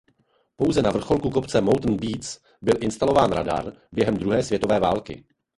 Pouze na vrcholku kopce "Mount Bates" byl instalován radar během druhé světové války.